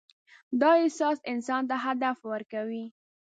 دا احساس انسان ته هدف ورکوي.